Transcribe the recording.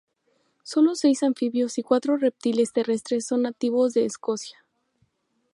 Sólo seis anfibios y cuatro reptiles terrestres son nativos de Escocia.